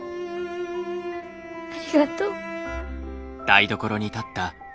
ありがとう。